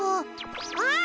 あっ！